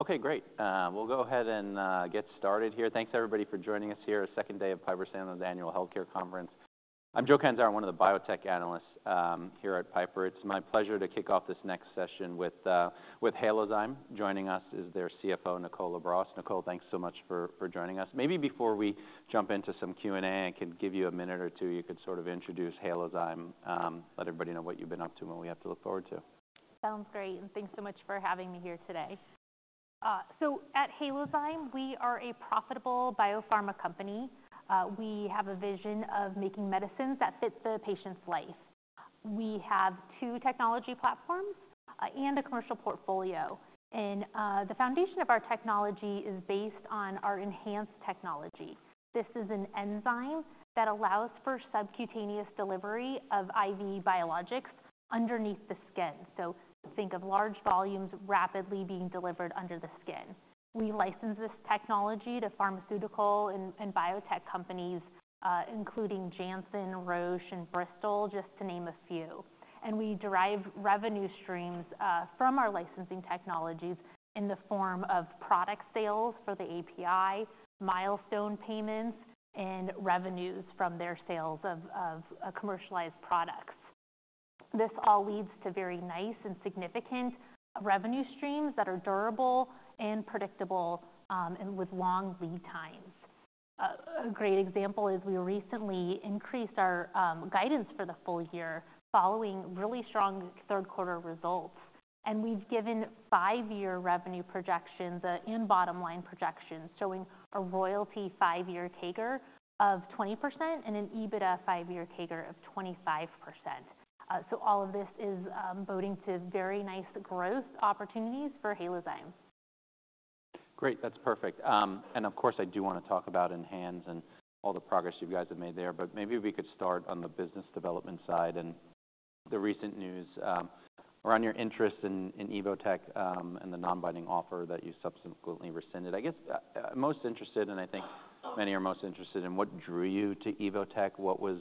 Okay, great. We'll go ahead and get started here. Thanks, everybody, for joining us here at our second day of Piper Sandler's annual healthcare conference. I'm Joe Catanzaro, one of the biotech analysts here at Piper. It's my pleasure to kick off this next session with Halozyme. Joining us is their CFO, Nicole LaBrosse. Nicole, thanks so much for joining us. Maybe before we jump into some Q&A, I can give you a minute or two. You could sort of introduce Halozyme, let everybody know what you've been up to and what we have to look forward to. Sounds great, and thanks so much for having me here today. So at Halozyme, we are a profitable biopharma company. We have a vision of making medicines that fit the patient's life. We have two technology platforms and a commercial portfolio. And the foundation of our technology is based on our ENHANZE technology. This is an enzyme that allows for subcutaneous delivery of IV biologics underneath the skin. So think of large volumes rapidly being delivered under the skin. We license this technology to pharmaceutical and biotech companies, including Janssen, Roche, and Bristol, just to name a few. And we derive revenue streams from our licensing technologies in the form of product sales for the API, milestone payments, and revenues from their sales of commercialized products. This all leads to very nice and significant revenue streams that are durable and predictable and with long lead times. A great example is we recently increased our guidance for the full year following really strong third-quarter results, and we've given five-year revenue projections and bottom-line projections showing a royalty five-year CAGR of 20% and an EBITDA five-year CAGR of 25%, so all of this is pointing to very nice growth opportunities for Halozyme. Great, that's perfect. And of course, I do want to talk about ENHANZE and all the progress you guys have made there. But maybe we could start on the business development side and the recent news around your interest in Evotec and the non-binding offer that you subsequently rescinded. I guess I'm most interested, and I think many are most interested in what drew you to Evotec. What was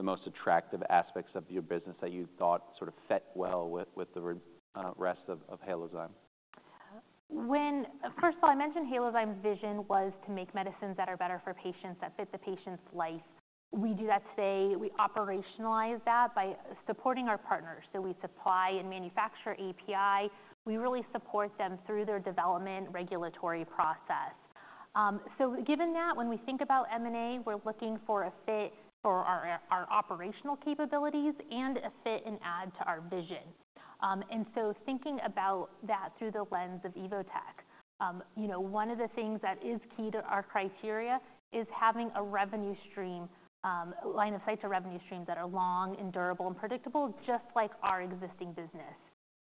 the most attractive aspects of your business that you thought sort of fit well with the rest of Halozyme? First of all, I mentioned Halozyme's vision was to make medicines that are better for patients that fit the patient's life. We do that today. We operationalize that by supporting our partners. So we supply and manufacture API. We really support them through their development regulatory process. So given that, when we think about M&A, we're looking for a fit for our operational capabilities and a fit and add to our vision. And so thinking about that through the lens of Evotec, one of the things that is key to our criteria is having a revenue stream, line of sight to revenue streams that are long and durable and predictable, just like our existing business.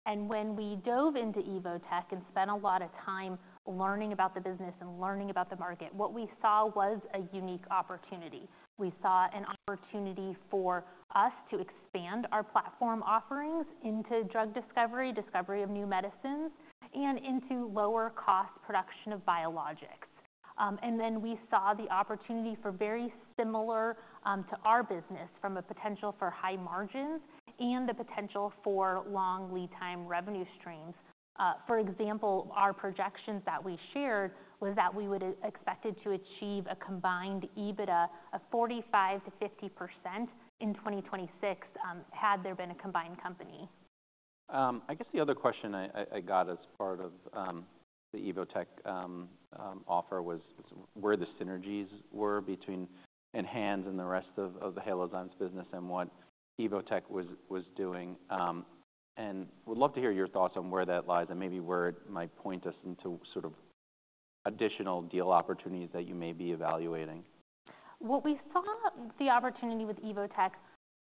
And when we dove into Evotec and spent a lot of time learning about the business and learning about the market, what we saw was a unique opportunity. We saw an opportunity for us to expand our platform offerings into drug discovery, discovery of new medicines, and into lower-cost production of biologics, and then we saw the opportunity for very similar to our business from a potential for high margins and the potential for long lead-time revenue streams. For example, our projections that we shared was that we would expect it to achieve a combined EBITDA of 45%-50% in 2026 had there been a combined company. I guess the other question I got as part of the Evotec offer was where the synergies were between ENHANZE and the rest of the Halozyme business and what Evotec was doing, and we'd love to hear your thoughts on where that lies and maybe where it might point us into sort of additional deal opportunities that you may be evaluating. What we saw, the opportunity with Evotec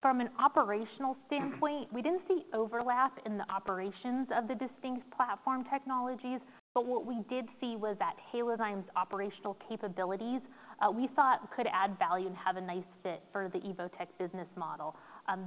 from an operational standpoint, we didn't see overlap in the operations of the distinct platform technologies. But what we did see was that Halozyme's operational capabilities we thought could add value and have a nice fit for the Evotec business model.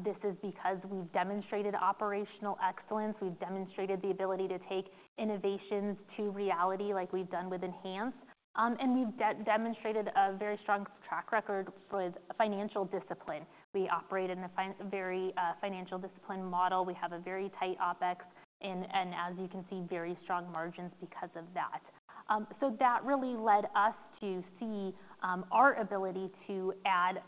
This is because we've demonstrated operational excellence. We've demonstrated the ability to take innovations to reality like we've done with ENHANZE. And we've demonstrated a very strong track record with financial discipline. We operate in a very financial discipline model. We have a very tight OpEx and, as you can see, very strong margins because of that. So that really led us to see our ability to add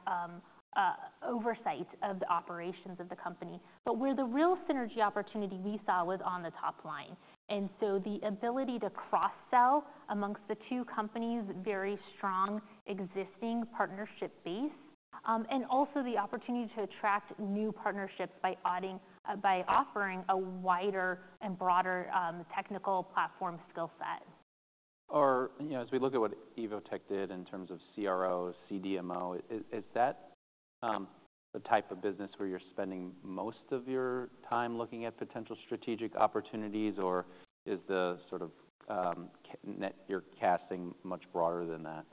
oversight of the operations of the company. But where the real synergy opportunity we saw was on the top line. And so the ability to cross-sell amongst the two companies, very strong existing partnership base, and also the opportunity to attract new partnerships by offering a wider and broader technical platform skill set. As we look at what Evotec did in terms of CRO, CDMO, is that the type of business where you're spending most of your time looking at potential strategic opportunities, or is the sort of net you're casting much broader than that?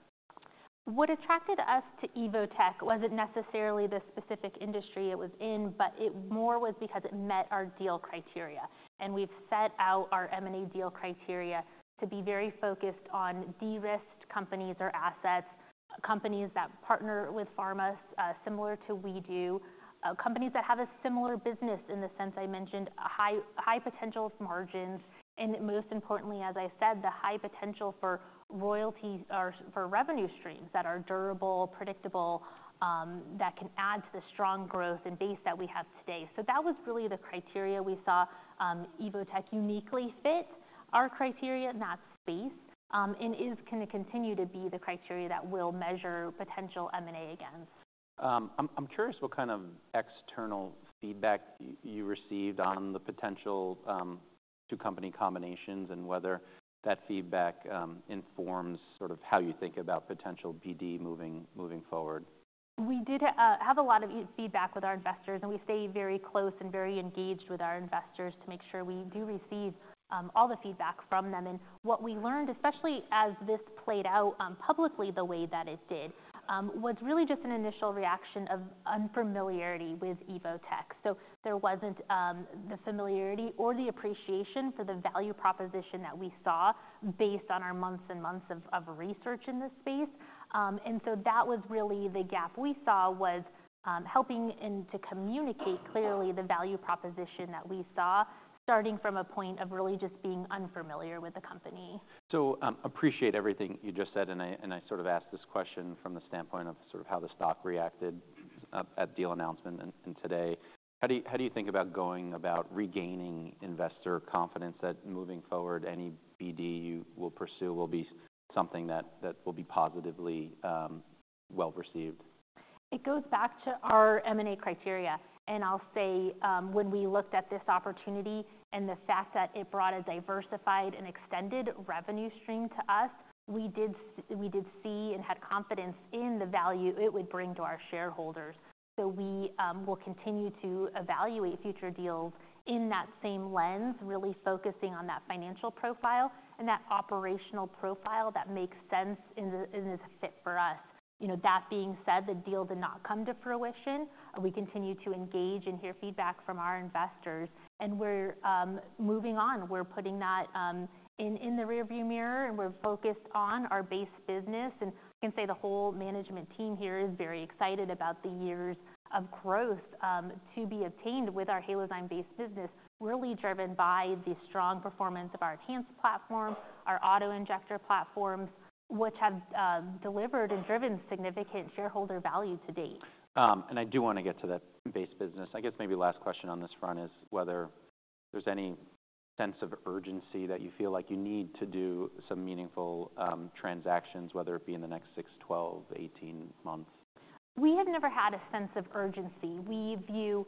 What attracted us to Evotec wasn't necessarily the specific industry it was in, but it more was because it met our deal criteria. And we've set out our M&A deal criteria to be very focused on de-risked companies or assets, companies that partner with pharmas, similar to we do, companies that have a similar business in the sense I mentioned, high potential margins, and most importantly, as I said, the high potential for royalty or for revenue streams that are durable, predictable, that can add to the strong growth and base that we have today. So that was really the criteria we saw Evotec uniquely fit our criteria in that space and is going to continue to be the criteria that will measure potential M&A again. I'm curious what kind of external feedback you received on the potential two-company combinations and whether that feedback informs sort of how you think about potential BD moving forward? We did have a lot of feedback with our investors, and we stay very close and very engaged with our investors to make sure we do receive all the feedback from them. And what we learned, especially as this played out publicly the way that it did, was really just an initial reaction of unfamiliarity with Evotec. So there wasn't the familiarity or the appreciation for the value proposition that we saw based on our months and months of research in this space. And so that was really the gap we saw was helping to communicate clearly the value proposition that we saw starting from a point of really just being unfamiliar with the company. So, I appreciate everything you just said. And I sort of asked this question from the standpoint of sort of how the stock reacted at deal announcement and today. How do you think about going about regaining investor confidence that moving forward any BD you will pursue will be something that will be positively well received? It goes back to our M&A criteria, and I'll say when we looked at this opportunity and the fact that it brought a diversified and extended revenue stream to us, we did see and had confidence in the value it would bring to our shareholders, so we will continue to evaluate future deals in that same lens, really focusing on that financial profile and that operational profile that makes sense and is a fit for us. That being said, the deal did not come to fruition, we continue to engage and hear feedback from our investors, and we're moving on, we're putting that in the rearview mirror, and we're focused on our base business. I can say the whole management team here is very excited about the years of growth to be obtained with our Halozyme-based business, really driven by the strong performance of our ENHANZE platform, our auto injector platforms, which have delivered and driven significant shareholder value to date. I do want to get to that base business. I guess maybe last question on this front is whether there's any sense of urgency that you feel like you need to do some meaningful transactions, whether it be in the next six, 12, 18 months? We have never had a sense of urgency. We view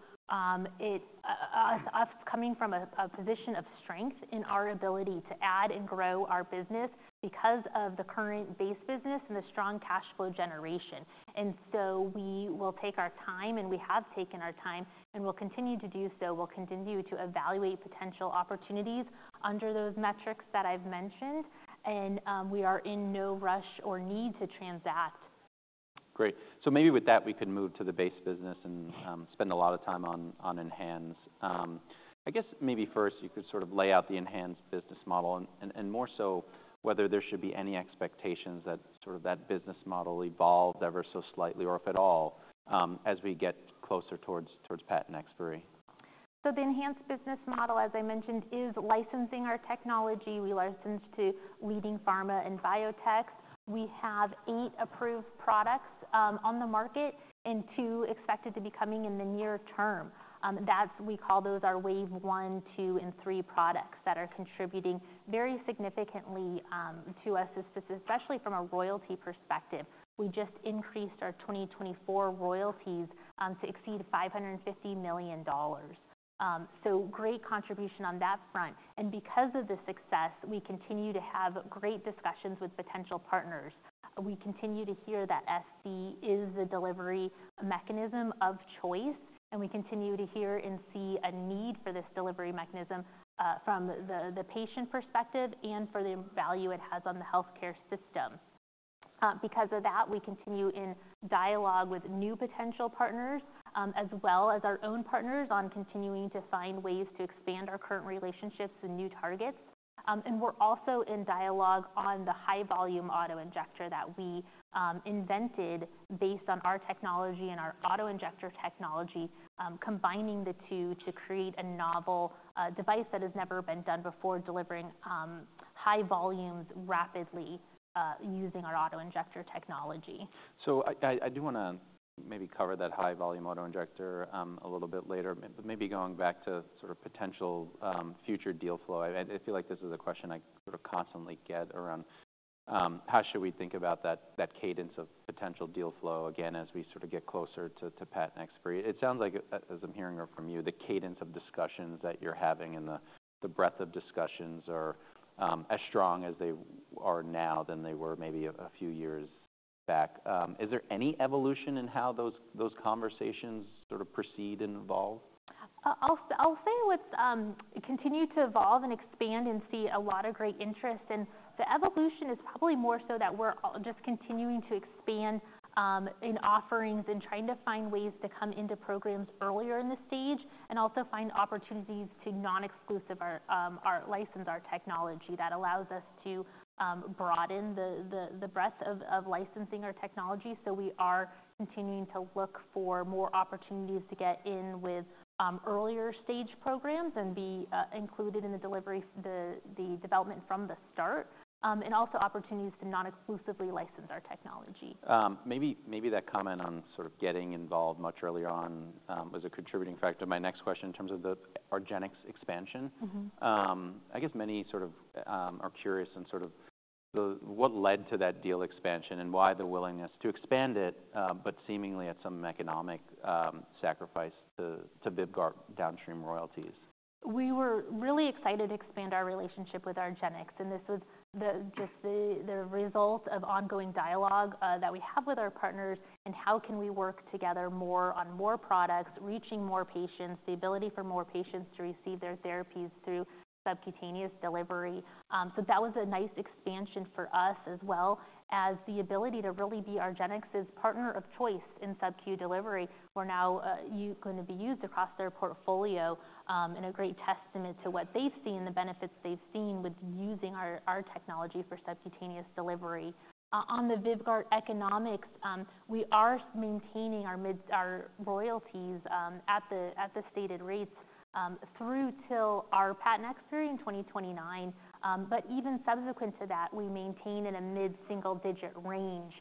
it as us coming from a position of strength in our ability to add and grow our business because of the current base business and the strong cash flow generation, and so we will take our time, and we have taken our time, and we'll continue to do so. We'll continue to evaluate potential opportunities under those metrics that I've mentioned, and we are in no rush or need to transact. Great, so maybe with that, we could move to the base business and spend a lot of time on ENHANZE. I guess maybe first you could sort of lay out the ENHANZE business model and more so whether there should be any expectations that sort of business model evolved ever so slightly or if at all as we get closer toward patent expiry. The ENHANZE business model, as I mentioned, is licensing our technology. We license to leading pharma and biotech. We have eight approved products on the market and two expected to be coming in the near term. We call those our wave one, two, and three products that are contributing very significantly to us, especially from a royalty perspective. We just increased our 2024 royalties to exceed $550 million. Great contribution on that front. Because of the success, we continue to have great discussions with potential partners. We continue to hear that SC is the delivery mechanism of choice. And we continue to hear and see a need for this delivery mechanism from the patient perspective and for the value it has on the healthcare system. Because of that, we continue in dialogue with new potential partners as well as our own partners on continuing to find ways to expand our current relationships and new targets. And we're also in dialogue on the High-Volume Auto-Injector that we invented based on our technology and our auto injector technology, combining the two to create a novel device that has never been done before, delivering high volumes rapidly using our auto injector technology. So I do want to maybe cover that High-Volume Auto-Injector a little bit later, but maybe going back to sort of potential future deal flow. I feel like this is a question I sort of constantly get around. How should we think about that cadence of potential deal flow again as we sort of get closer to patent expiry? It sounds like, as I'm hearing from you, the cadence of discussions that you're having and the breadth of discussions are as strong as they are now than they were maybe a few years back. Is there any evolution in how those conversations sort of proceed and evolve? I'll say continue to evolve and expand and see a lot of great interest, and the evolution is probably more so that we're just continuing to expand in offerings and trying to find ways to come into programs earlier in the stage and also find opportunities to non-exclusively license our technology that allows us to broaden the breadth of licensing our technology, so we are continuing to look for more opportunities to get in with earlier stage programs and be included in the delivery, the development from the start, and also opportunities to non-exclusively license our technology. Maybe that comment on sort of getting involved much earlier on was a contributing factor to my next question in terms of the organics expansion. I guess many sort of are curious in sort of what led to that deal expansion and why the willingness to expand it, but seemingly at some economic sacrifice to VYVGART downstream royalties. We were really excited to expand our relationship with argenx. This was just the result of ongoing dialogue that we have with our partners and how can we work together more on more products, reaching more patients, the ability for more patients to receive their therapies through subcutaneous delivery. That was a nice expansion for us as well as the ability to really be argenx's partner of choice in subQ delivery. We're now going to be used across their portfolio and a great testament to what they've seen, the benefits they've seen with using our technology for subcutaneous delivery. On the VYVGART economics, we are maintaining our royalties at the stated rates through till our patent expiry in 2029. But even subsequent to that, we maintain in a mid-single-digit range,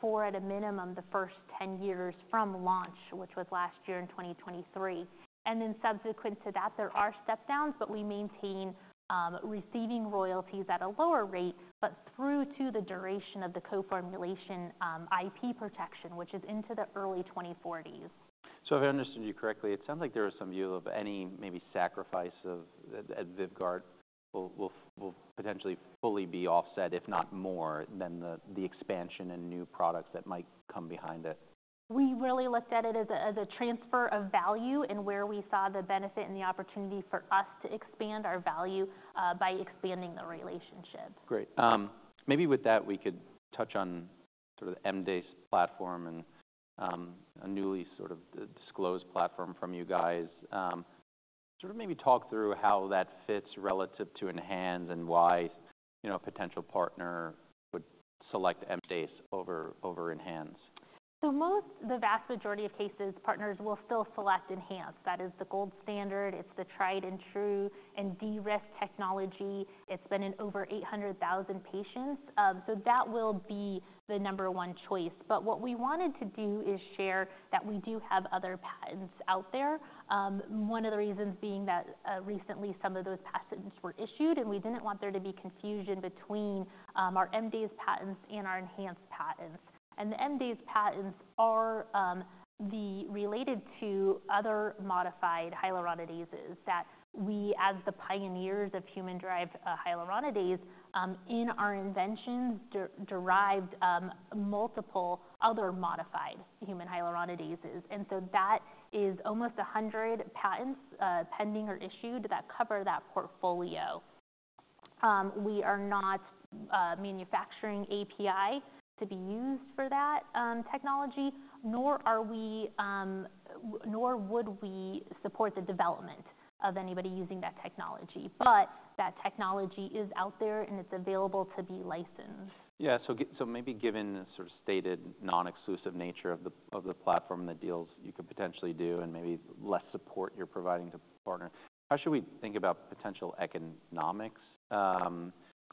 four at a minimum the first 10 years from launch, which was last year in 2023. Subsequent to that, there are step-downs, but we maintain receiving royalties at a lower rate, but through to the duration of the co-formulation IP protection, which is into the early 2040s. So if I understood you correctly, it sounds like there was some view of any maybe sacrifice of VYVGART will potentially fully be offset, if not more, than the expansion and new products that might come behind it. We really looked at it as a transfer of value and where we saw the benefit and the opportunity for us to expand our value by expanding the relationship. Great. Maybe with that, we could touch on sort of modified human hyaluronidase's platform and a newly sort of disclosed platform from you guys. Sort of maybe talk through how that fits relative to ENHANZE and why a potential partner would select modified human hyaluronidase over ENHANZE. The vast majority of cases, partners will still select ENHANZE. That is the gold standard. It is the tried and true and de-risk technology. It has been in over 800,000 patients. That will be the number one choice. But what we wanted to do is share that we do have other patents out there. One of the reasons being that recently some of those patents were issued, and we did not want there to be confusion between our modified human hyaluronidase patents and our ENHANZE patents. The modified human hyaluronidase patents are related to other modified hyaluronidases that we, as the pioneers of human-derived hyaluronidase, in our inventions derived multiple other modified human hyaluronidases. That is almost 100 patents pending or issued that cover that portfolio. We are not manufacturing API to be used for that technology, nor would we support the development of anybody using that technology. But that technology is out there, and it's available to be licensed. Yeah. So maybe given the sort of stated non-exclusive nature of the platform and the deals you could potentially do and maybe less support you're providing to partners, how should we think about potential economics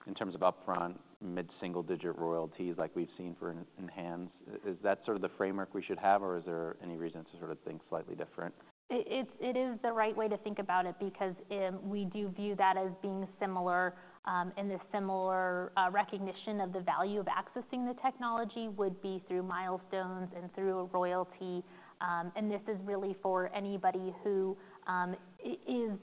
in terms of upfront mid-single-digit royalties like we've seen for ENHANZE? Is that sort of the framework we should have, or is there any reason to sort of think slightly different? It is the right way to think about it because we do view that as being similar, and the similar recognition of the value of accessing the technology would be through milestones and through a royalty. And this is really for anybody who is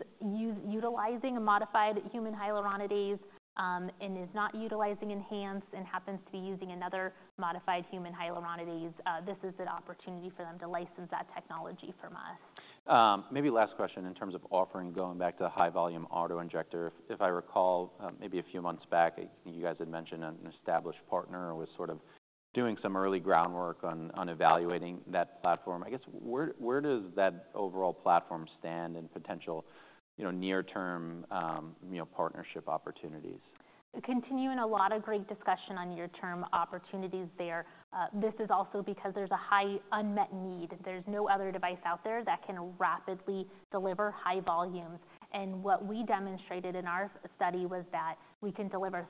utilizing a modified human hyaluronidase and is not utilizing ENHANZE and happens to be using another modified human hyaluronidase. This is an opportunity for them to license that technology from us. Maybe last question in terms of offering going back to the High-Volume Auto-Injector. If I recall, maybe a few months back, you guys had mentioned an established partner was sort of doing some early groundwork on evaluating that platform. I guess where does that overall platform stand in potential near-term partnership opportunities? Continuing a lot of great discussion on near-term opportunities there. This is also because there's a high unmet need. There's no other device out there that can rapidly deliver high volumes, and what we demonstrated in our study was that we can deliver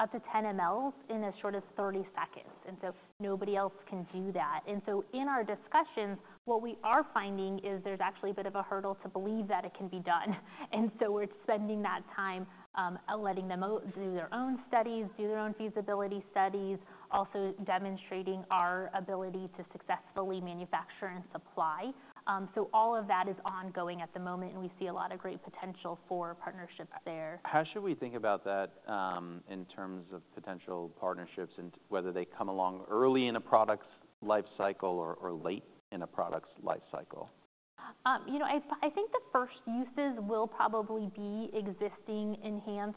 up to 10 mL in as short as 30 seconds, and so nobody else can do that. And so in our discussions, what we are finding is there's actually a bit of a hurdle to believe that it can be done, and so we're spending that time letting them do their own studies, do their own feasibility studies, also demonstrating our ability to successfully manufacture and supply, so all of that is ongoing at the moment, and we see a lot of great potential for partnerships there. How should we think about that in terms of potential partnerships and whether they come along early in a product's life cycle or late in a product's life cycle? You know, I think the first uses will probably be existing ENHANZE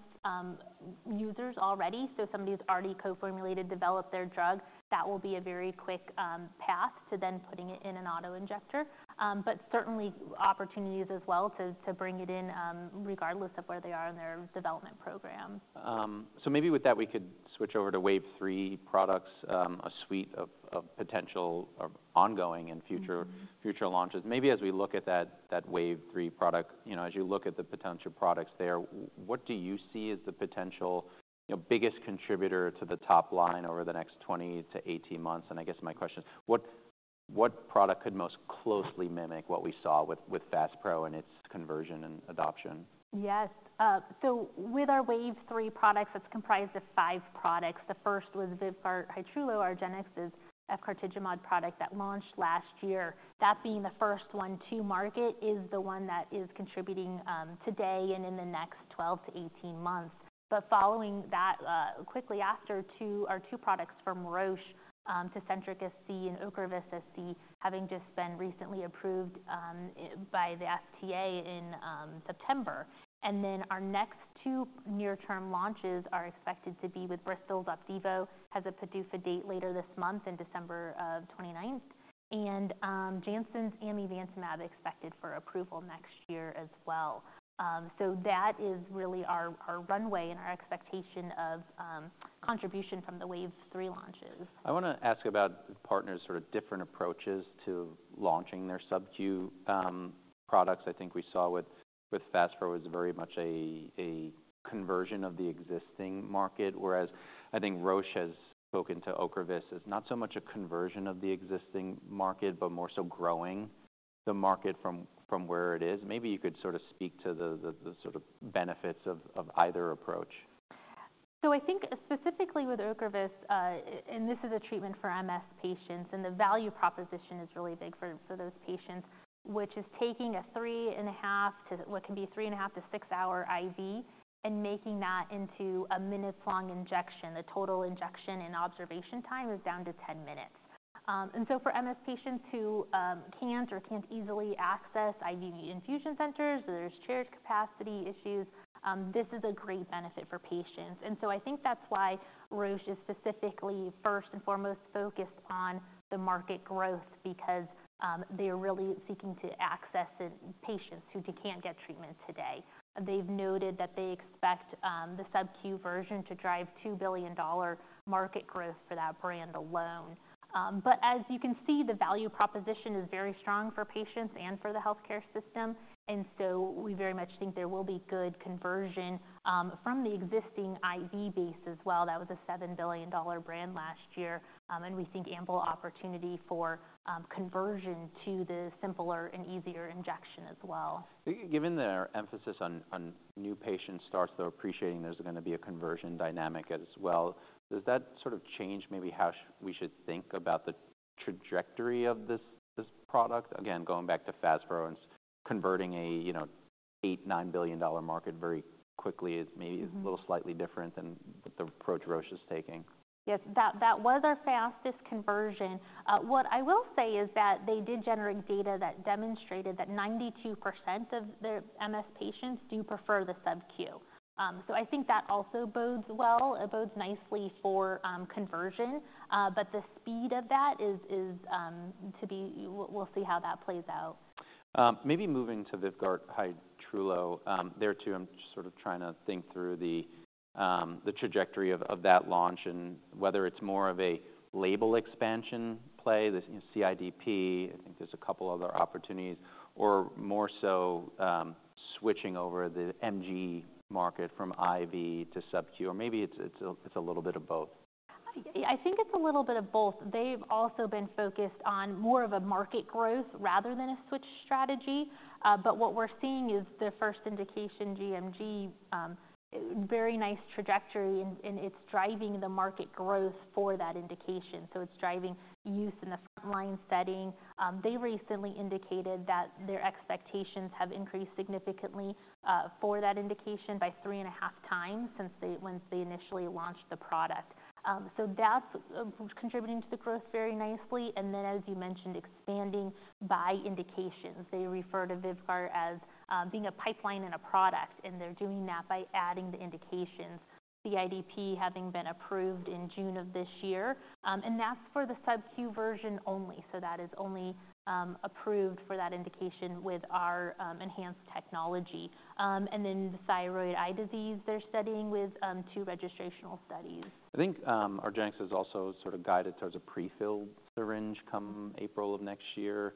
users already. So somebody who's already co-formulated, developed their drug, that will be a very quick path to then putting it in an auto injector, but certainly opportunities as well to bring it in regardless of where they are in their development program. So maybe with that, we could switch over to wave three products, a suite of potential ongoing and future launches. Maybe as we look at that wave three product, as you look at the potential products there, what do you see as the potential biggest contributor to the top line over the next 20 to 18 months? And I guess my question is, what product could most closely mimic what we saw with FasPro and its conversion and adoption? Yes. So with our wave three products, it's comprised of five products. The first was VYVGART Hytrulo, argenx's efgartigimod product that launched last year. That being the first one to market is the one that is contributing today and in the next 12 to 18 months. But following that, quickly after, our two products from Roche, Tecentriq SC and OCREVUS SC, having just been recently approved by the FDA in September. And then our next two near-term launches are expected to be with Bristol's Opdivo, which has a PDUFA date later this month in December 29th. And Janssen's amivantamab expected for approval next year as well. So that is really our runway and our expectation of contribution from the wave three launches. I want to ask about partners' sort of different approaches to launching their subQ products. I think we saw with FasPro was very much a conversion of the existing market, whereas I think Roche has spoken to OCREVUS as not so much a conversion of the existing market, but more so growing the market from where it is. Maybe you could sort of speak to the sort of benefits of either approach. I think specifically with OCREVUS, and this is a treatment for MS patients, and the value proposition is really big for those patients, which is taking a three and a half to six hour IV and making that into a minutes-long injection. The total injection and observation time is down to 10 minutes. For MS patients who can't or can't easily access IV infusion centers, there's shared capacity issues. This is a great benefit for patients. I think that's why Roche is specifically first and foremost focused on the market growth because they're really seeking to access patients who can't get treatment today. They've noted that they expect the subQ version to drive $2 billion market growth for that brand alone. But as you can see, the value proposition is very strong for patients and for the healthcare system. And so we very much think there will be good conversion from the existing IV base as well. That was a $7 billion brand last year. And we think ample opportunity for conversion to the simpler and easier injection as well. Given their emphasis on new patient starts, they're appreciating there's going to be a conversion dynamic as well. Does that sort of change maybe how we should think about the trajectory of this product? Again, going back to FastPro and converting an $8 to $9 billion market very quickly, maybe a little slightly different than the approach Roche is taking. Yes. That was our fastest conversion. What I will say is that they did generate data that demonstrated that 92% of the MS patients do prefer the subQ. So I think that also bodes well. It bodes nicely for conversion. But the speed of that is to be. We'll see how that plays out. Maybe moving to VYVGART Hytrulo. There too, I'm sort of trying to think through the trajectory of that launch and whether it's more of a label expansion play, the CIDP. I think there's a couple other opportunities or more so switching over the MG market from IV to subQ, or maybe it's a little bit of both. I think it's a little bit of both. They've also been focused on more of a market growth rather than a switch strategy. But what we're seeing is the first indication gMG, very nice trajectory, and it's driving the market growth for that indication. So it's driving use in the frontline setting. They recently indicated that their expectations have increased significantly for that indication by three and a half times since they initially launched the product. So that's contributing to the growth very nicely. And then, as you mentioned, expanding by indications. They refer to VYVGART as being a pipeline and a product, and they're doing that by adding the indications, CIDP having been approved in June of this year. And that's for the subQ version only. So that is only approved for that indication with our ENHANZE technology. And then the thyroid eye disease, they're studying with two registrational studies. I think argenx is also sort of guided towards a prefilled syringe come April of next year.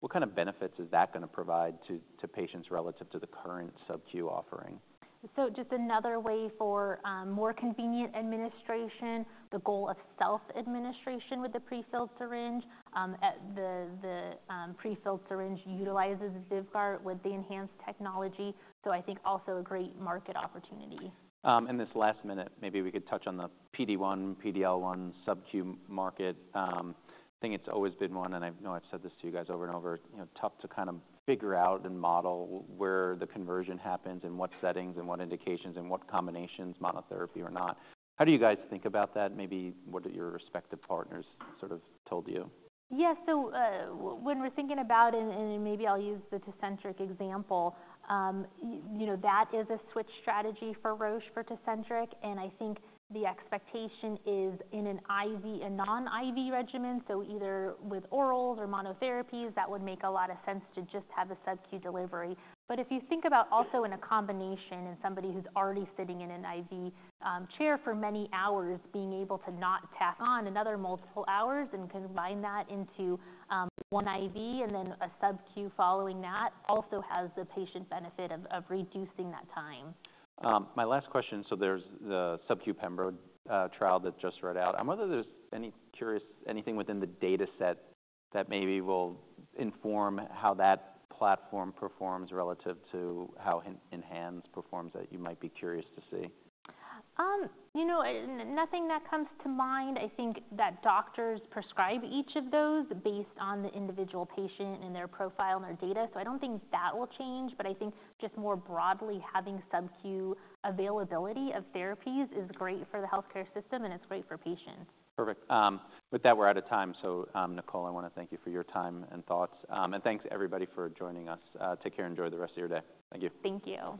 What kind of benefits is that going to provide to patients relative to the current subQ offering? Just another way for more convenient administration, the goal of self-administration with the prefilled syringe. The prefilled syringe utilizes VYVGART with the ENHANZE technology. I think also a great market opportunity. In this last minute, maybe we could touch on the PD-1, PD-L1 subQ market. I think it's always been one, and I know I've said this to you guys over and over, tough to kind of figure out and model where the conversion happens and what settings and what indications and what combinations, monotherapy or not. How do you guys think about that? Maybe what your respective partners sort of told you? Yeah. So when we're thinking about, and maybe I'll use the Tecentriq example, that is a switch strategy for Roche for Tecentriq. And I think the expectation is in an IV and non-IV regimen. So either with orals or monotherapies, that would make a lot of sense to just have a subQ delivery. But if you think about also in a combination and somebody who's already sitting in an IV chair for many hours, being able to not tack on another multiple hours and combine that into one IV and then a subQ following that also has the patient benefit of reducing that time. My last question, so there's the subQ pembro trial that just read out. I wonder if there's anything curious within the dataset that maybe will inform how that platform performs relative to how ENHANZE performs that you might be curious to see? You know, nothing that comes to mind. I think that doctors prescribe each of those based on the individual patient and their profile and their data. So I don't think that will change. But I think just more broadly having subQ availability of therapies is great for the healthcare system, and it's great for patients. Perfect. With that, we're out of time. So, Nicole, I want to thank you for your time and thoughts. And thanks, everybody, for joining us. Take care and enjoy the rest of your day. Thank you. Thank you.